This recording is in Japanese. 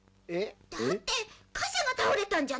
「だって火車が倒れたんじゃ」